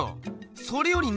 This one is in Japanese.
それよりね